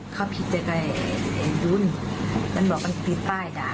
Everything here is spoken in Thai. เขาผิดใจกับไอ่ดุ้นมันบอกมันติดป้ายด่า